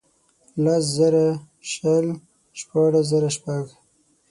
لس زره شل ، شپاړس زره شپږ.